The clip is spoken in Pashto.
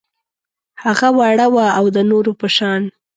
هغه وړه وه او د نورو په شان